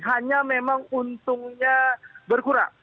hanya memang untungnya berkurang